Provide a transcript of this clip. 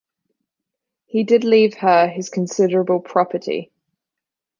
He did leave her his considerable property.